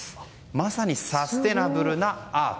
まさにサステナブルなアート。